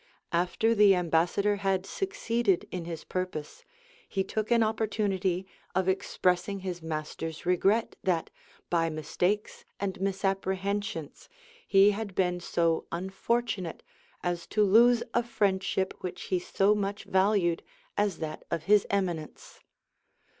After the ambassador had succeeded in his purpose, he took an opportunity of expressing his master's regret that, by mistakes and misapprehensions, he had been so unfortunate as to lose a friendship which he so much valued as that of his eminence.